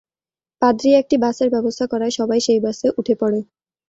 পাদ্রী একটি বাসের ব্যবস্থা করায় সবাই সেই বাসে উঠে পড়ে।